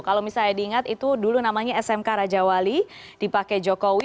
kalau misalnya diingat itu dulu namanya smk raja wali dipakai jokowi